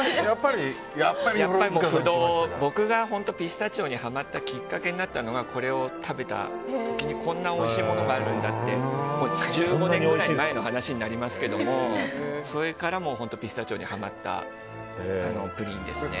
僕がピスタチオにハマったのはきっかけになったのはこれを食べた時にこんなおいしいものがあるんだって１５年ぐらい前の話になりますけどそれからもピスタチオにハマったプリンですね。